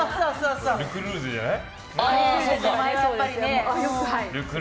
ルクルーゼじゃない？